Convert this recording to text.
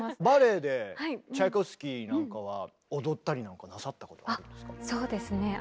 バレエでチャイコフスキーなんかは踊ったりなんかなさったことはあるんですか？